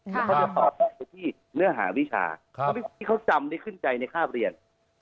แล้วเขาจะตอบได้ไปที่เนื้อหาวิชาที่เขาจำได้ขึ้นใจในคาบเรียน